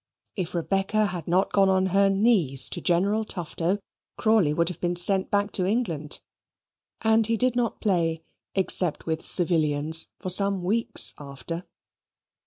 If Rebecca had not gone on her knees to General Tufto, Crawley would have been sent back to England; and he did not play, except with civilians, for some weeks after.